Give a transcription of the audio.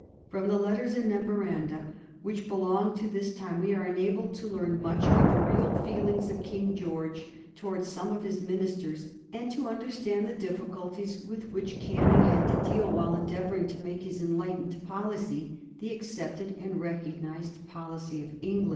From the letters and memoranda which belong to this time we are enabled to learn much of the real feelings of King George towards some of his ministers, and to understand the difficulties with which Canning had to deal while endeavoring to make his enlightened policy the accepted and recognized policy of England.